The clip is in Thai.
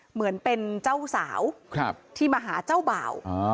เหมือนเป็นเจ้าสาวที่มาหาเจ้าบ่าว